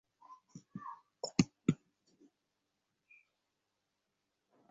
আহা, যোগেন, আর কেন?